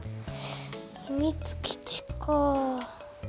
ひみつ基地か。